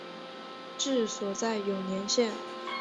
治所在永年县。